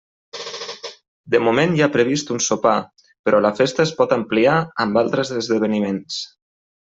De moment hi ha previst un sopar, però la festa es pot ampliar amb altres esdeveniments.